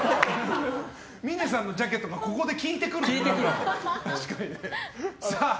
峰さんのジャケットがここで効いてくるっていうね。